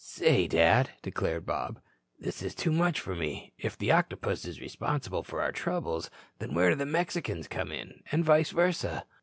"Say, Dad," declared Bob, "this is too much for me. If the Octopus is responsible for our troubles, then where do the Mexicans come in? And vice versa?"